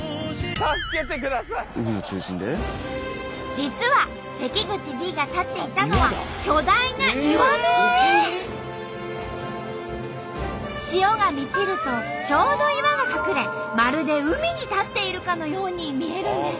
実は関口Ｄが立っていたのは潮が満ちるとちょうど岩が隠れまるで海に立っているかのように見えるんです。